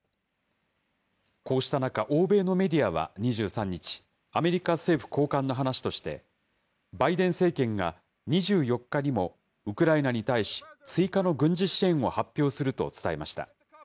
こうした中、欧米のメディアは２３日、アメリカ政府高官の話として、バイデン政権が２４日にもウクライナに対し追加の軍事支援を発表すると伝えました。